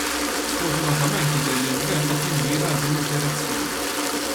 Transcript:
Sfortunatament jidher li l-Gvern qed jimmira għal din id-direzzjoni.